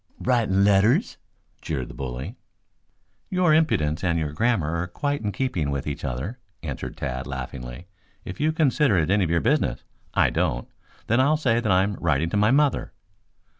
"Writin' letters?" jeered the bully. "Your impudence and your grammar are quite in keeping with each other," answered Tad laughingly. "If you consider it any of your business I don't then I'll say that I am writing to my mother."